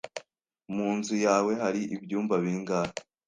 Mu nzu yawe hari ibyumba bingahe?